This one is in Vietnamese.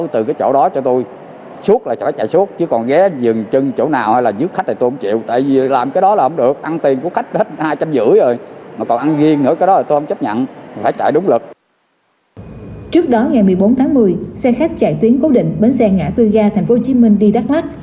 trước đó ngày một mươi bốn tháng một mươi xe khách chạy tuyến cố định bến xe ngã tư ga thành phố hồ chí minh đi đắk lắc